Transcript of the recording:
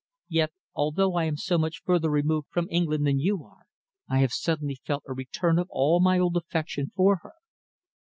Yet, although I am so much further removed from England than you are, I have suddenly felt a return of all my old affection for her."